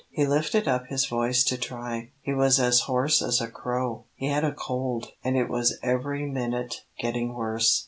He lifted up his voice to try. He was as hoarse as a crow. He had a cold, and it was every minute getting worse.